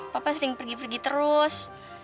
papa sering pergi pergi terus